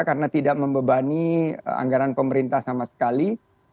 karena tidak membebani anggaran pemerintah sama sekali